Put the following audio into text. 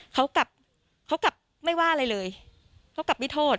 เขากลับเขากลับไม่ว่าอะไรเลยเขากลับไม่โทษ